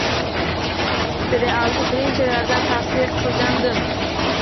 Serialni birinchilardan tavsiya qilgandim.